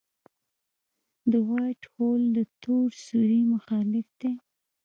د وائټ هول د تور سوري مخالف دی.